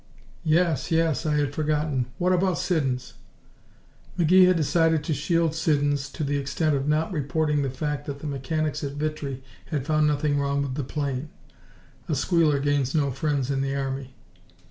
"Yes, yes. I had forgotten. What about Siddons?" McGee had decided to shield Siddons to the extent of not reporting the fact that the mechanics at Vitry had found nothing wrong with the plane. A squealer gains no friends in the Army.